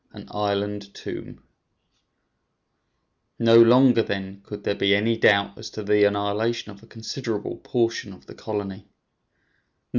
AN ISLAND TOMB No longer, then, could there be any doubt as to the annihilation of a considerable portion of the colony.